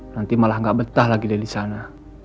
nanti malah nggak betah lagi dari sana